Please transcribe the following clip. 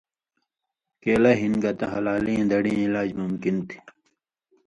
کېلہ ہِن گتہ ہلالیں دڑیں علاج ممکن تھی